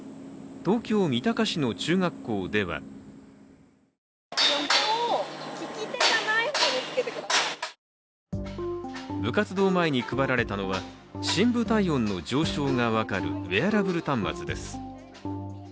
東京・三鷹市の中学校では部活動前に配られたのは深部体温の上昇が分かるウェアラブル端末です